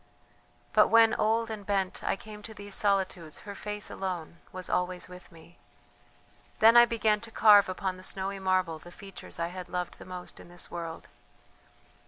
"But when, old and bent, I came to these solitudes her face alone was always with me. Then I began to carve upon the snowy marble the features I had loved the most in this world.